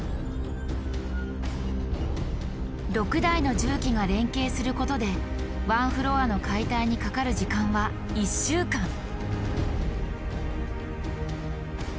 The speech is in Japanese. ６台の重機が連携することでワンフロアの解体にかかる時間は１週間！